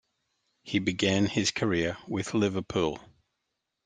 He began his career with Liverpool.